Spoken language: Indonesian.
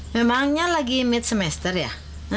memangnya lagi mid semester ya